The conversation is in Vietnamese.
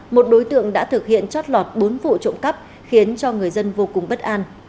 một đối tượng đã thực hiện chót lọt bốn vụ trộm cắp khiến cho người dân vô cùng bất an